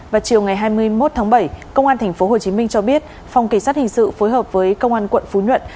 vào chiều ngày hai mươi một tháng bảy công an tp hcm cho biết phòng kỳ sát hình sự phối hợp với công an quận phú nhuận